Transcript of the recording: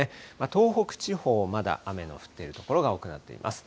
東北地方、まだ雨の降っている所が多くなっています。